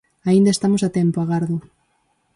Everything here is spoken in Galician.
Aínda estamos a tempo, agardo.